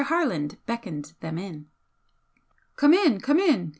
Harland beckoned them. "Come in, come in!"